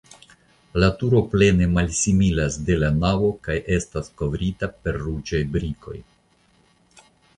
La turo plene malsimilas de la navo kaj estas kovrita per ruĝaj brikoj.